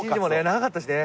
長かったしね。